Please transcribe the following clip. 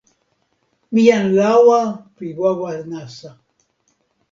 mi jan lawa pi wawa nasa!